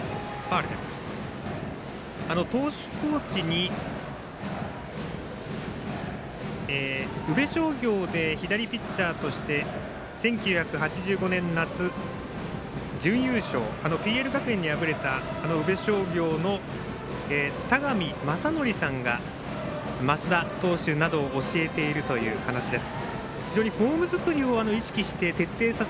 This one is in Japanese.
投手コーチに宇部商業で左ピッチャーとして１９８５年夏、準優勝ＰＬ学園に敗れた宇部商業の田上正範さんが升田投手などを教えているという話です。